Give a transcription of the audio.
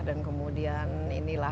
dan kemudian inilah